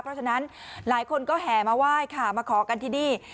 เพราะฉะนั้นหลายคนก็แห่มาไหว้ค่ะมาขอกันที่นี่